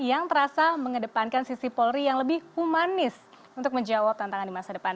yang terasa mengedepankan sisi polri yang lebih humanis untuk menjawab tantangan di masa depan